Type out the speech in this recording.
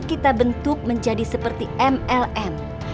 kita bentuk menjadi seperti mlm